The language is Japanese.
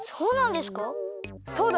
そうだ！